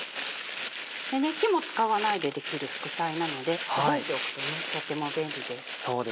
手も使わないでできる副菜なので覚えておくととても便利です。